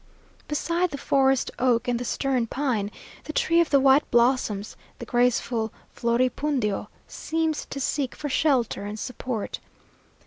Beside the forest oak and the stern pine, the tree of the white blossoms, the graceful floripundio, seems to seek for shelter and support.